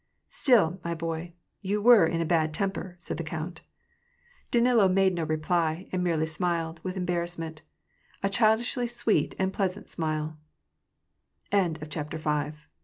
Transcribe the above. " Stilly my boy, you were in a bad temper," said the count. Danilo made no reply, and merely smiled with embarrass ment — a childishly sweet and pleasa